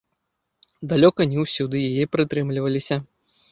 Далёка не ўсюды яе прытрымліваліся.